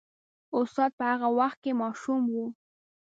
استاد په هغه وخت کې ماشوم و.